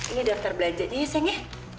ini daftar belanjanya ya sayangnya